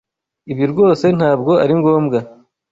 Ibi rwose ntabwo ari ngombwa.